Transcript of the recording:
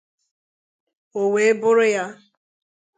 O wee bụrụ ya